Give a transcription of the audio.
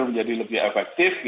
bisa menjadi lebih efektif